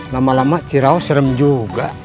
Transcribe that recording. lama lama cirau serem juga